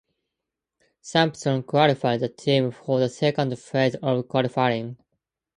Sampson qualified the team for the second phase of qualifying.